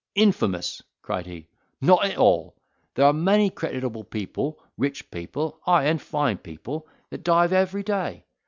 "Infamous!" cried he, "not at all; there are many creditable people, rich people, ay, and fine people, that dive every day.